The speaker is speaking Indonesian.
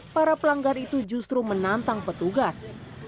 para pelanggar itu justru menantang petugas